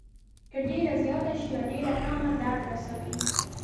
که ډېره زیاته شي یا ډېره کمه درد رسوي.